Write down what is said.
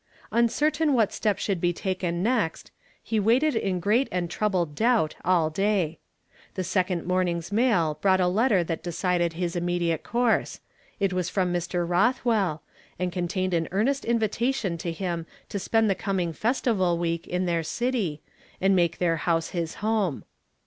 Uncertain what step should be taken next, he waited in great and troubled doubt all day. The second morning's mail brought a letter that de cided his innnediate course ; it was from Mr. Roth well, and contained an earne'st invitation to him to spend the coming Festival W^eek in their city, and make their house his home.